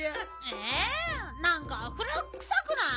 えなんか古くさくない？